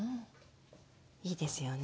いいですよね。